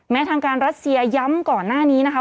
ทางการรัสเซียย้ำก่อนหน้านี้นะคะ